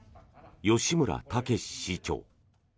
吉村武司市長。